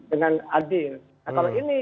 dengan adil kalau ini